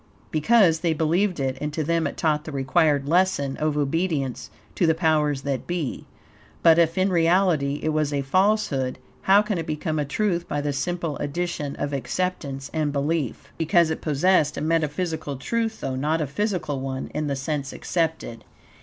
Because they believed it, and to them it taught the required lesson of obedience to the powers that be. But if in reality it was a falsehood, how can it become a truth by the simple addition of acceptance and belief? Because it possessed a metaphysical truth, though not a physical one, in the sense accepted.